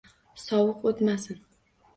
Sovuq oʻtmasin.